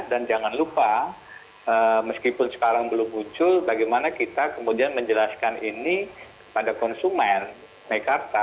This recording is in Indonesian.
dan jangan lupa meskipun sekarang belum muncul bagaimana kita kemudian menjelaskan ini pada konsumen mekarta